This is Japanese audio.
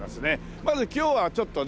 まず今日はちょっとね